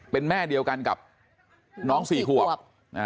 เป็นแม่เดียวกันกับน้องสี่ขวบ